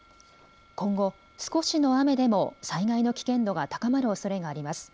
今後、少しの雨でも災害の危険度が高まるおそれがあります。